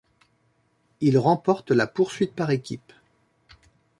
Il remporte la poursuite par équipes.